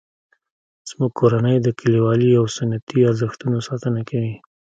زموږ کورنۍ د کلیوالي او سنتي ارزښتونو ساتنه کوي